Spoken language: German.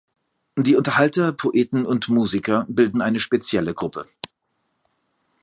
Die Unterhalter, Poeten und Musiker bilden eine spezielle Gruppe.